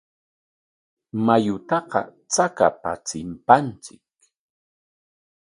Mayutaqa chakapa chimpanchik.